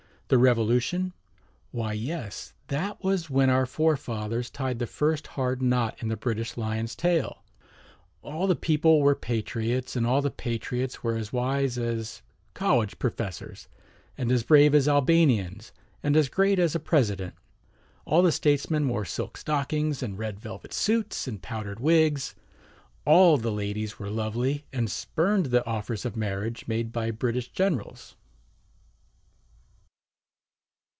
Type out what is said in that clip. The Revolution? Why, yes, that was when our forefathers tied the first hard knot in the British lion's tail! All the people were patriots, and all the patriots were as wise as college professors, and as brave as Albanians, and as great as a president. All the statesmen wore silk stockings and red velvet suits and powdered wigs. All the ladies were lovely, and spurned the offers of marriage made by British generals.